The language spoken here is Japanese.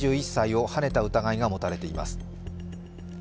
２１歳をはねた疑いが持たれています。